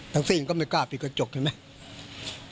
ตั๊กซี่ยิ่งก็ไม่กล้าปิดกระจกเห็นไหม